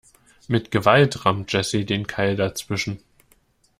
Mit Gewalt rammt Jessy den Keil dazwischen.